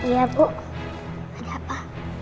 iya bu ada apa